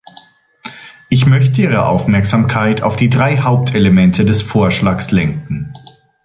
Ich möchte Ihre Aufmerksamkeit auf die drei Hauptelemente des Vorschlags lenken.